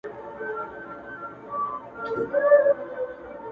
زه لاس په سلام سترگي راواړوه-